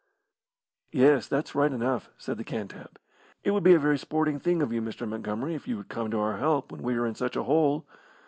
"Yes, that's right enough," said the Cantab. "It would be a very sporting thing of you, Mr. Montgomery, if you would come to our help when we are in such a hole.